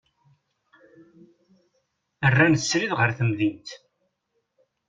Rran srid ɣer temdint.